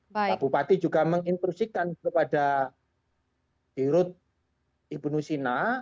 pak bupati juga menginstruksikan kepada dirut ibu nusina